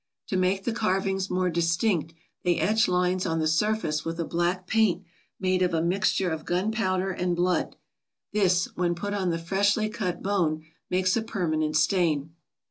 To make the carvings more distinct they etch lines on the surface with a black paint made of a mixture of gunpowder and blood. This, when put on the freshly cut bone, makes a permanent stain.